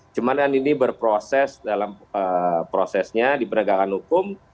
cuma yang ini berproses dalam prosesnya di pendegakan hukum